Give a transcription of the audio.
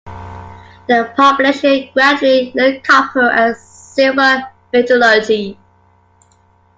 The population gradually learned copper and silver metallurgy.